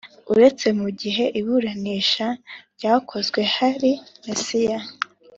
Uretse mu gihe iburanisha ryakozwe hari mesiya